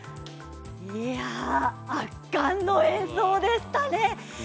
圧巻の演奏でしたね。